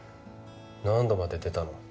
何度まで出たの？